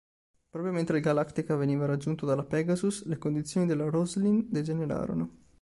Proprio mentre il "Galactica" veniva raggiunto dalla "Pegasus", le condizioni della Roslin degenerarono.